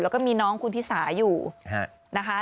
แล้วก็มีน้องคุณธิสาอยู่นะคะ